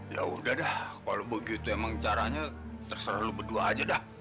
ya udah dah kalau begitu emang caranya selalu berdua aja dah